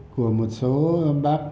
của một số bác